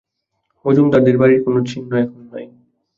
মজুমদারদের বাড়ির কোন চিহ্ন এখন নাই।